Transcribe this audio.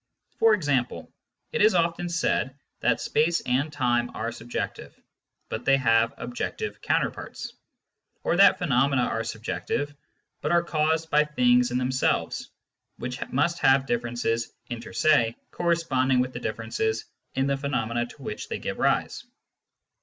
For example, it is often said that space and time are subjective, but they have objective counterparts ; or that phenomena are subjective, but are caused by things in themselves, which must have differences inter se corresponding with the differences in the phenomena to which they give rise.